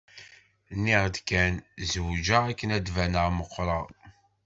Nniɣ-d kan zewǧeɣ akken ad d-baneɣ meqqreɣ.